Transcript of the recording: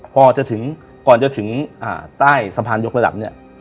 พอจะถึงก่อนจะถึงใต้สะพานยกระดับเนี่ย